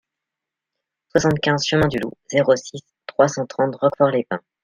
soixante-quinze chemin du Loup, zéro six, trois cent trente Roquefort-les-Pins